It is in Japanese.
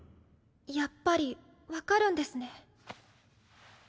やっぱり分かるんですね。